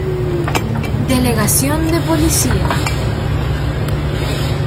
Delegación de Policía.